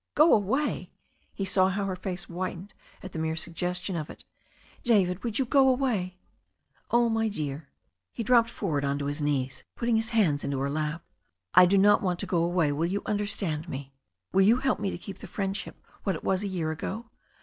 "Go away !" He saw how her face whitened at the mere suggestion of it. "David, you would go away!" "Oh, my dear." He dropped forward onto his knees, putting his hands into her lap. "I do not want to go away. Will you understand me? Will you help me to keep the friendship what it was a year ago?